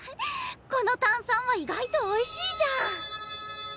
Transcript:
この炭酸は意外とおいしいじゃん。